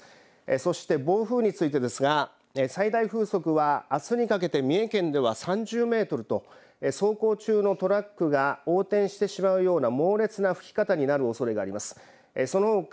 そして、暴風についてですが最大風速はあすにかけて三重県では３０メートルと走行中のトラックが横転してしまうような猛烈な吹き方になるおそれがあります。